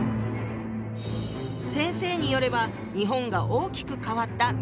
先生によれば日本が大きく変わった明治時代。